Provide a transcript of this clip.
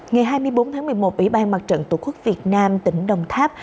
ngày hai mươi bốn tháng một mươi một ủy ban mặt trận tổ quốc việt nam tỉnh đồng tháp